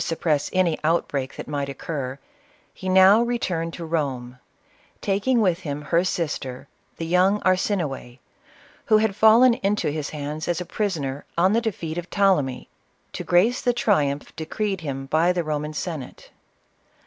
suppress any outbreak that might occur, he now re turned to Eorne, taking with him her sister, the young Arsinoe, who had fallen into his hands as a prisoner on the defeat of Ptolemy, to grace the triumph decreed him by the Koman Senate.